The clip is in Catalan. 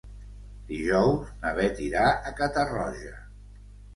Dijous na Beth irà a Catarroja.